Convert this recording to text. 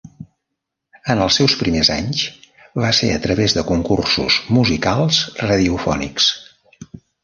En els seus primers anys, va ser a través de concursos musicals radiofònics.